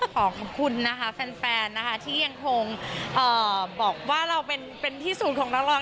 ขอขอบคุณนะคะแฟนนะคะที่ยังคงบอกว่าเราเป็นที่สุดของนักร้อง